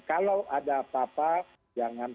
kalau ada apa apa jangan